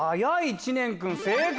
知念君正解！